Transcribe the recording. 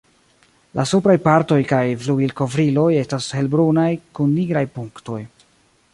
La supraj partoj kaj flugilkovriloj estas helbrunaj kun nigraj punktoj.